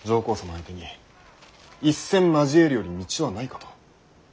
相手に一戦交えるより道はないかと。